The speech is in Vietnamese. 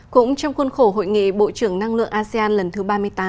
cũng trong khuôn khổ hội nghị bộ trưởng năng lượng asean lần thứ ba mươi tám